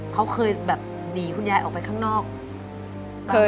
เขาเคยแบบหนีคุณยายออกไปข้างนอก